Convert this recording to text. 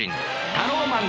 タローマン！